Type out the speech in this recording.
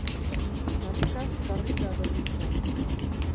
Karrikaz karrika dabiltza.